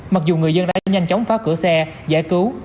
mặc dù người dân đã nhanh chóng phá cửa xe giải cứu